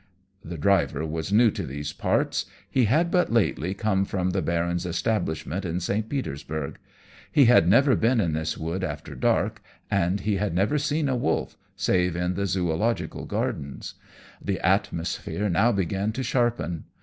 The driver was new to these parts; he had but lately come from the Baron's establishment in St. Petersburg. He had never been in this wood after dark, and he had never seen a wolf save in the Zoological Gardens. The atmosphere now began to sharpen.